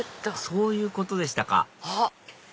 そういうことでしたかあっ！